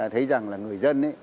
thấy rằng là người dân